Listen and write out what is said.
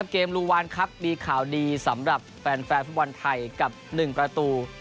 เกมลูวานครับมีข่าวดีสำหรับแฟนฟุตบอลไทยกับ๑ประตู